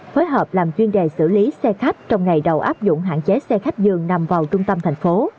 phối hợp làm chuyên đề xử lý xe khách trong ngày đầu áp dụng hạn chế xe khách dường nằm vào trung tâm thành phố